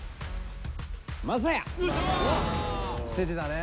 捨ててたね。